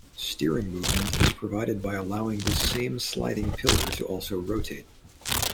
Steering movement is provided by allowing this same sliding pillar to also rotate.